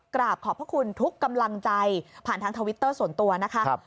กราบขอบพระคุณทุกกำลังใจผ่านทางทวิตเตอร์ส่วนตัวนะคะ